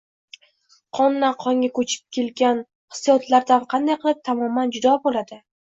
qondan qonga ko’chib kelgan hissiyotlaridan qanday qilib tamoman judo bo’ladi?